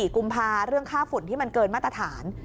กุมภาคมเรื่องค่าฝุ่นที่มันเกินมาตรฐาน